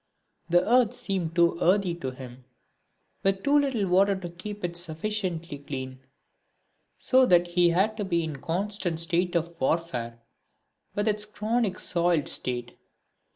The Earth seemed too earthy for him, with too little water to keep it sufficiently clean; so that he had to be in a constant state of warfare with its chronic soiled state.